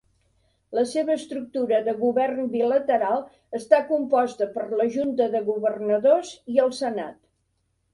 La seva estructura de govern bilateral està composta per la Junta de Governadors i el Senat.